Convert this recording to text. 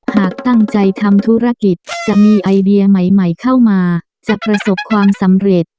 หากตั้งใจทำธุรกิจจะมีไอเดียใหม่เข้ามาจะประสบความสำเร็จ